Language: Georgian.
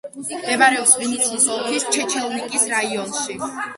მდებარეობს ვინიცის ოლქის ჩეჩელნიკის რაიონში.